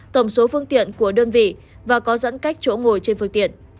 tổng số phương tiện của đơn vị và có dẫn cách chỗ ngồi trên phương tiện